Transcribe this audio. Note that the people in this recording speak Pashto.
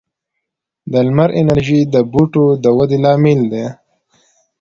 د لمر انرژي د بوټو د ودې لامل ده.